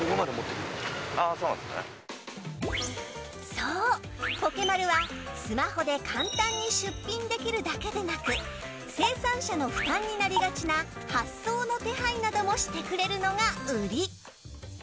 そう、ポケマルはスマホで簡単に出品できるだけでなく生産者の負担になりがちな発送の手配などもしてくれるのが売り。